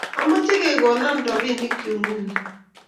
ameche kekonon robinikchu nguni